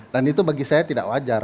dan itu bagi saya tidak wajar